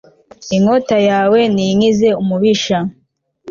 inkota yawe ninkize umubisha